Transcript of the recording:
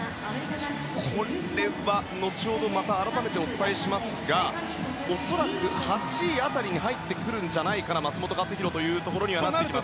これは、後ほど改めてお伝えしますが恐らく８位辺りに入ってくるのでは松元克央というところになってきます。